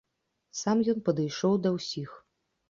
Сам ён падышоў да ўсіх.